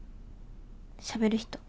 しゃべる人。